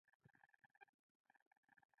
په خپل مخ کې تر پښو لاندې پراته ګوري.